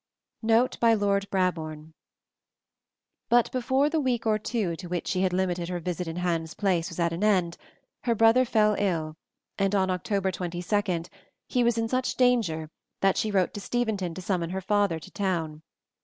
Note by Lord Brabourne. But before the week or two to which she had limited her visit in Hans Place was at an end, her brother fell ill, and on October 22 he was in such danger that she wrote to Steventon to summon her father to town.